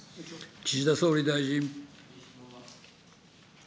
岸田総理大臣。